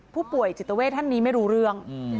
ผู้ป่วยจิตเวทท่านนี้ไม่รู้เรื่อง